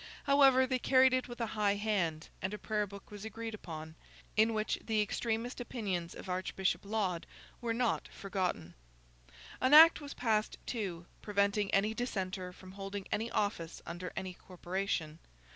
However, they carried it with a high hand, and a prayer book was agreed upon, in which the extremest opinions of Archbishop Laud were not forgotten. An Act was passed, too, preventing any dissenter from holding any office under any corporation.